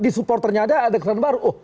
di supporternya ada kesadaran baru